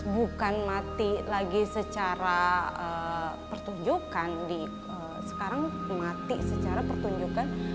bukan mati lagi secara pertunjukan sekarang mati secara pertunjukan